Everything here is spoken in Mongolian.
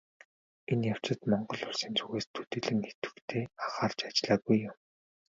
Энэ явцад Монгол Улсын зүгээс төдийлөн идэвхтэй анхаарч ажиллаагүй юм.